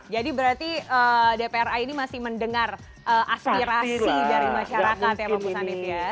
jadi berarti dpra ini masih mendengar aspirasi dari masyarakat ya pak musanif ya